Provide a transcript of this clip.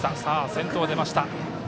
先頭出ました。